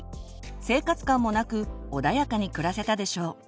生活感もなく穏やかに暮らせたでしょう。